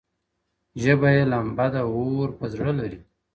ژبه یې لمبه ده اور په زړه لري!!